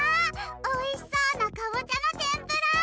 おいしそうなかぼちゃのてんぷら！